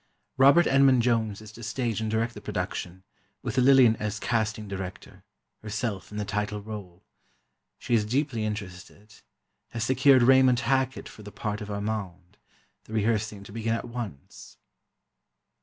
Robert Edmond Jones is to stage and direct the production, with Lillian as Casting Director, herself in the title rôle. She is deeply interested—has secured Raymond Hackett for the part of Armand, the rehearsing to begin at once.